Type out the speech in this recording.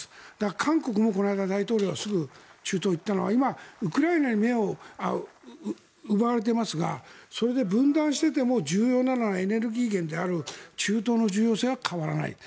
韓国もこの間、大統領がすぐ中東に行ったのは今、ウクライナに目を奪われていますがそれで分断していても重要なのはエネルギー源である中東の重要性は変わらない。